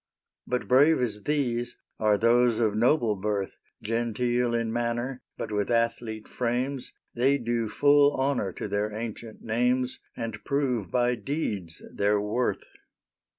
But brave as these are those of noble birth; Genteel in manner, but with athlete frames, They do full honor to their ancient names, And prove by deeds their worth.